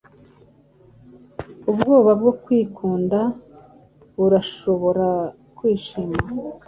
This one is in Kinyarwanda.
ubwoba bwo kwikunda! Urashobora kwishima,